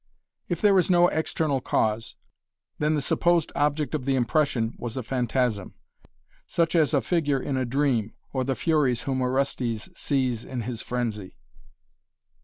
If there is no external cause, then the supposed object of the impression was a "phantasm," such as a figure in a dream, or the Furies whom Orestes sees in his frenzy.